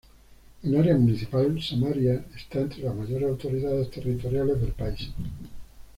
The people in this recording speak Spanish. En área municipal, Samaria está entre las mayores autoridades territoriales del país.